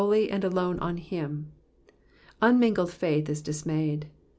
ely and alone on him. Unmingled faith is imdismayed.